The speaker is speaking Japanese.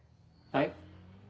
はい？